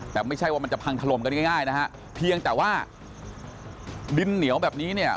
แต่ไม่ใช่ว่ามันจะพังถล่มกันง่ายนะฮะเพียงแต่ว่าดินเหนียวแบบนี้เนี่ย